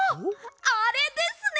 あれですね！